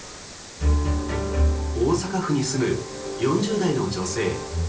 大阪府に住む４０代の女性。